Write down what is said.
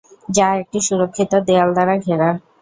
যা একটি সুরক্ষিত দেয়াল দ্বারা ঘেরা।